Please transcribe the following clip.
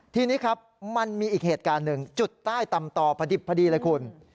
ทีนี้ครับมันมีอีกเหตุการณ์หนึ่งจุดใต้ตำต่อพอดิบพอดีเลยคุณ